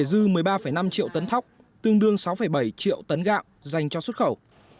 dư một mươi ba năm triệu tấn thóc tương đương sáu bảy triệu tấn gạo dành cho xuất khẩu